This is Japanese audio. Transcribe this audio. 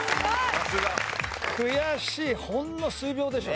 悔しいほんの数秒でしょ。